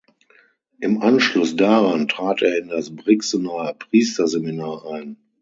Im Anschluss daran trat er in das Brixener Priesterseminar ein.